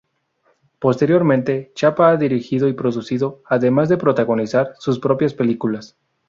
Posteriormente, Chapa ha dirigido y producido, además de protagonizar, sus propias películas.